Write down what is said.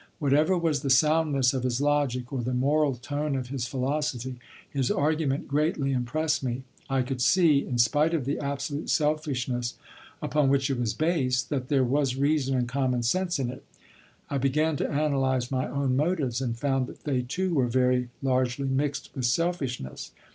Whatever was the soundness of his logic or the moral tone of his philosophy, his argument greatly impressed me. I could see, in spite of the absolute selfishness upon which it was based, that there was reason and common sense in it. I began to analyze my own motives, and found that they, too, were very largely mixed with selfishness.